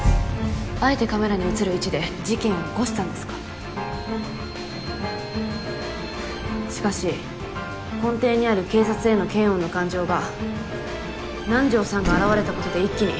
あえてカメラに映る位置で事件を起こしたしかし根底にある警察への「嫌悪」の感情が南条さんが現れたことで一気に。